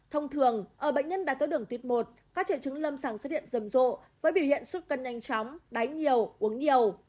thông thường ở bệnh nhân đáy thái đường tuyết một các triệu chứng lâm sàng xuất hiện rầm rộ với biểu hiện xuất cân nhanh chóng đáy nhiều uống nhiều